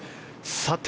さて、